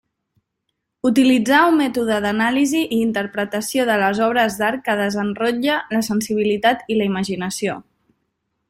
Utilitzar un mètode d'anàlisi i interpretació de les obres d'art que desenrotlle la sensibilitat i la imaginació.